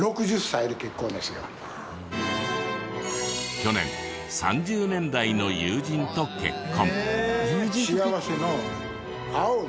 去年３０年来の友人と結婚。